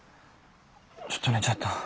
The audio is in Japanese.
ちょっと寝ちゃった。